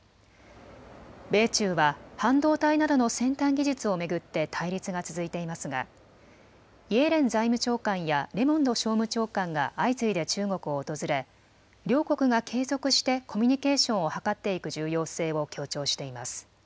米中は半導体などの先端技術を巡って対立が続いていますがイエレン財務長官やレモンド商務長官が相次いで中国を訪れ両国が継続してコミュニケーションを図っていく重要性を強調しています。